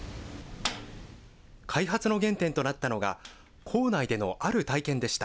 開発の原点となったのが、校内でのある体験でした。